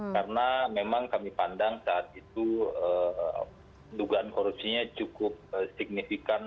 karena memang kami pandang saat itu dugaan korupsinya cukup signifikan